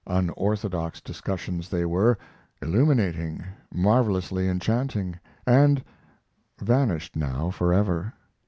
Unorthodox discussions they were, illuminating, marvelously enchanting, and vanished now forever.